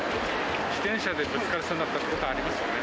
自転車でぶつかりそうになったことありますよ。